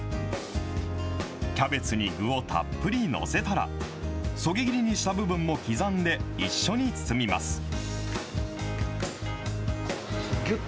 キャベツに具をたっぷり載せたら、そぎ切りにした部分も刻んで、一緒に包みます。